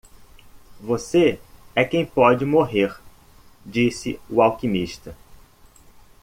"Você é quem pode morrer?", disse o alquimista.